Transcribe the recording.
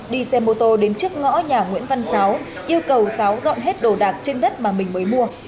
đi xe mô tô đến trước ngõ nhà nguyễn văn sáu yêu cầu giáo dọn hết đồ đạc trên đất mà mình mới mua